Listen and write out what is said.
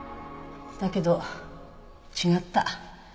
だけど違った。